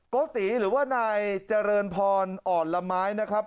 โกติหรือว่านายเจริญพรอ่อนละไม้นะครับ